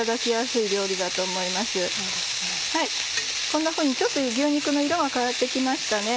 こんなふうにちょっと牛肉の色が変わって来ましたね。